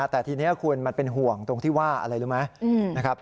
แต่ทีนี้คุณมันเป็นห่วงตรงที่ว่าอะไรรู้ไหมนะครับ